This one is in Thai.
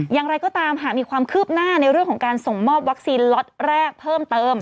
อย่างไรก็ตามหากมีความคืบหน้าในเรื่องของการส่งมอบวัคซีนล็อตแรกเพิ่มเติม